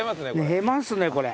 寝ますねこれ。